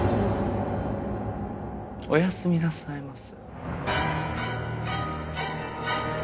おやすみなさいませ。